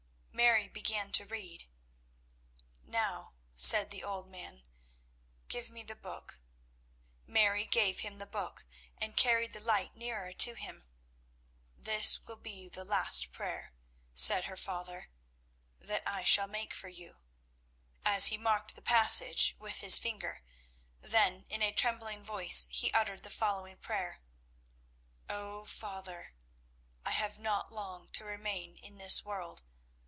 Mary began to read. "Now," said the old man, "give me the book." Mary gave him the book, and carried the light nearer to him. "This will be the last prayer," said her father, "that I shall make for you," as he marked the passage with his finger, then in a trembling voice he uttered the following prayer: "O Father, I have not long to remain in this world.